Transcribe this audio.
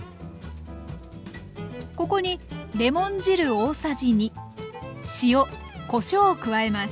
ここにレモン汁大さじ２。塩こしょうを加えます。